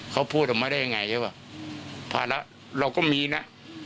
เขาพูดออกมาได้ยังไงใช่ป่ะภาระเราก็มีนะ